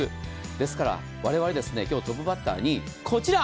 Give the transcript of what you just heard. ですからわれわれ今日トップバッターにこちら。